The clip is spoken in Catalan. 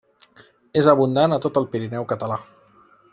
És abundant a tot el Pirineu català.